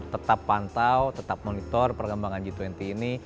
tetap pantau tetap monitor perkembangan g dua puluh ini